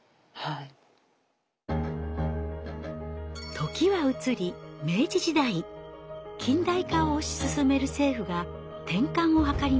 時は移り近代化を推し進める政府が転換を図ります。